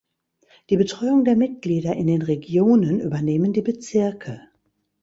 Die Betreuung der Mitglieder in den Regionen übernehmen die Bezirke.